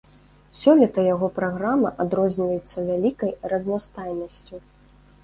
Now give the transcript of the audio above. Сёлета яго праграма адрозніваецца вялікай разнастайнасцю.